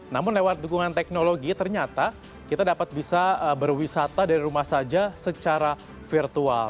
namun lewat dukungan teknologi ternyata kita dapat bisa berwisata dari rumah saja secara virtual